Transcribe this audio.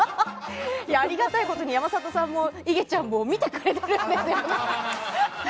ありがたいことに山里さんも、いげちゃんも見てくれているんですよね。